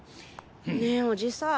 ねぇおじさん。